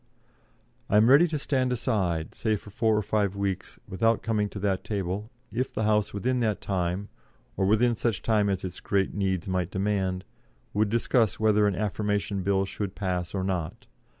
"I am ready to stand aside, say for four or five weeks, without coming to that table, if the House within that time, or within such time as its great needs might demand, would discuss whether an Affirmation Bill should pass or not.